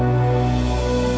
ini sudah panjang